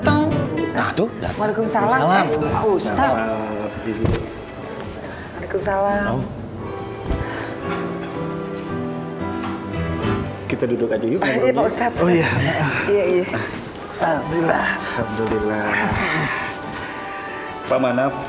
hai salam salam kita duduk aja yuk ya iya iya iya alhamdulillah alhamdulillah pak manap